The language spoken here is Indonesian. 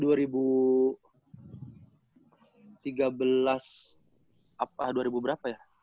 dua ribu berapa ya